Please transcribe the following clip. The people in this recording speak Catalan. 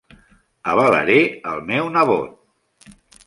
Avalaré el meu nebot.